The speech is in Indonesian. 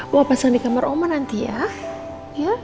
bawa pasang di kamar ma nanti ya